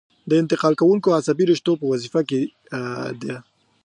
د انتقال کوونکو عصبي رشتو په وظیفه کې ده.